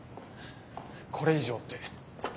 「これ以上」って？